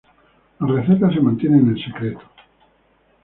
La receta se mantiene en secreto.